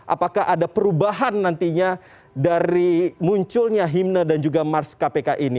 apakah ada perubahan nantinya dari munculnya himna dan juga mars kpk ini terima kasih sekali lagi